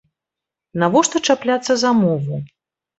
Навошта чапляцца за мову?